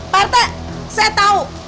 pak retek saya tahu